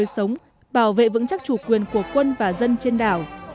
sống bảo vệ vững chắc chủ quyền của quân và dân trên đảo